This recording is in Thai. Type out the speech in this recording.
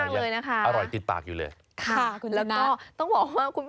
มีกลิ่นหอมกว่า